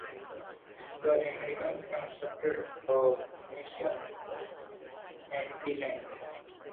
The Americans constructed a mission in Mendiland.